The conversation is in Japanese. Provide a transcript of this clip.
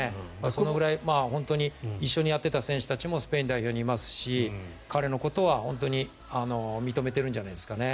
それぐらい本当に一緒にやっていた選手たちもスペイン代表にいますし彼のことは本当に認めているんじゃないですかね。